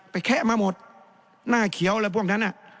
แคะมาหมดหน้าเขียวอะไรพวกนั้น